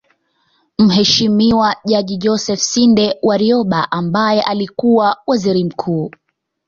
Mheshimiwa Jaji Joseph Sinde Warioba ambaye alikuwa Waziri Mkuu